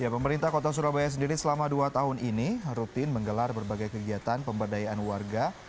pemerintah kota surabaya sendiri selama dua tahun ini rutin menggelar berbagai kegiatan pemberdayaan warga